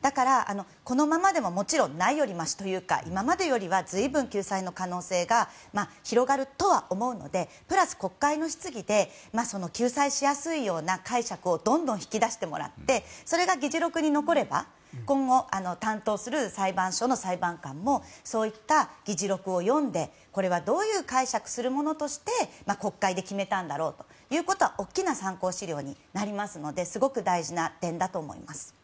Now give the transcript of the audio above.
だから、このままでももちろんないよりましというか今までよりは随分、救済の可能性が広がるとは思うのでプラス国会の質疑で救済しやすいような解釈をどんどん引き出してもらってそれが議事録に残れば今後担当する裁判所の裁判官もそういった議事録を読んでこれはどういう解釈するものとして国会で決めたんだろうということは大きな参考資料になりますのですごく大事な点だと思います。